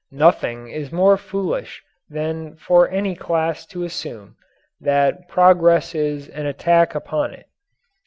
Nothing is more foolish than for any class to assume that progress is an attack upon it.